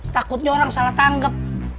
takutnya orang salah tanggep